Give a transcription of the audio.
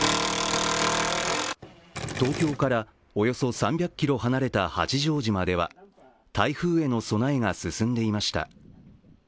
東京からおよそ３００ｋｍ離れた八丈島では台風への備えが進んでいました。